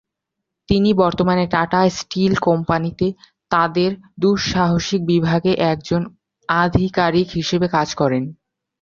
তিনি বর্তমানে টাটা স্টিল কোম্পানিতে তাদের দুঃসাহসিক বিভাগে একজন আধিকারিক হিসেবে কাজ করেন।